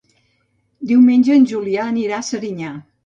Diumenge en Julià anirà a Serinyà.